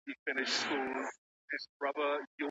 د وريځو منځ کې ایکي یو ستوري ته